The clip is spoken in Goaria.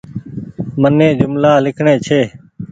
مني جملآ لکڻي ڇي